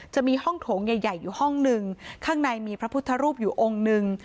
จะมีห้องโถงใหญ่ใหญ่อยู่ห้องหนึ่งข้างในมีพระพุทธรูปอยู่องค์หนึ่ง